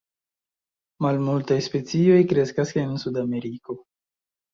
Malmultaj specioj kreskas en Sudameriko.